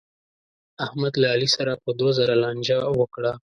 احمد له علي سره په دوه زره لانجه وکړه.